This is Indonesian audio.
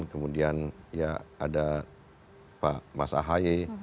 kemudian ya ada pak mas ahaye